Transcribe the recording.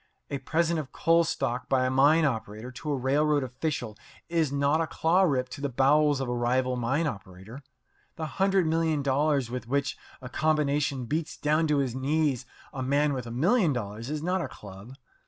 A present of coal stock by a mine operator to a railroad official is not a claw rip to the bowels of a rival mine operator. The hundred million dollars with which a combination beats down to his knees a man with a million dollars is not a club.